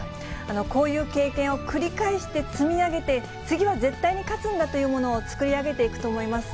こういう経験を繰り返して積み上げて、次は絶対に勝つんだというものを作り上げていくと思います。